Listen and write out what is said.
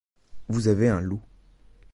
Vous avez un loup.